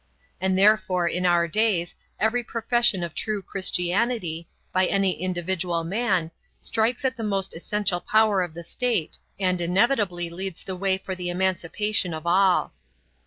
And therefore in our days every profession of true Christianity, by any individual man, strikes at the most essential power of the state, and inevitably leads the way for the emancipation of all.